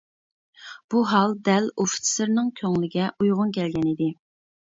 بۇ ھال دەل ئوفىتسېرنىڭ كۆڭلىگە ئۇيغۇن كەلگەنىدى.